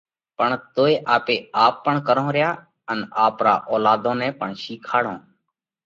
پڻ توئي آپي آپ پڻ ڪرونه ريا ان آپرا اولاڌ نئہ پڻ شِيکاڙونه